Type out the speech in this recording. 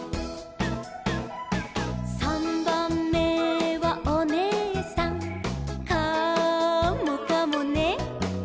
「さんばんめはおねえさん」「カモかもね」